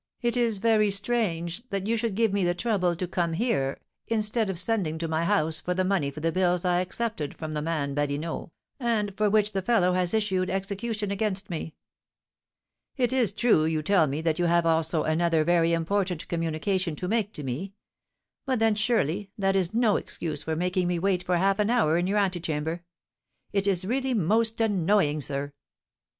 it is very strange that you should give me the trouble to come here, instead of sending to my house for the money for the bills I accepted from the man Badinot, and for which the fellow has issued execution against me. It is true you tell me that you have also another very important communication to make to me; but then, surely, that is no excuse for making me wait for half an hour in your antechamber: it is really most annoying, sir!"